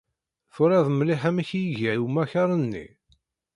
Twalaḍ mliḥ amek i iga umakar-nni?